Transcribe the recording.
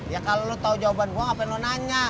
ya kalau lo tau jawaban gua ngapain lo nanya